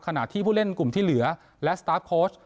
ขณะที่ผู้เล่นกลุ่มที่เหลือและสตาร์ฟโค้ช